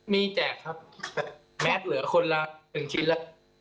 มีแจกครับแมทเหลือคนละ๑ชิ้นละ